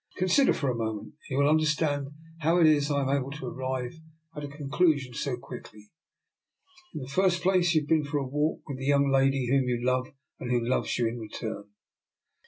Consider for a moment, and you will understand how it is I am able to arrive at a conclusion so quick ly. In the first place, you have been for a walk with the young lady whom you love and who loves you in return."